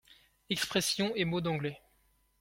Expressions et mots d’anglais.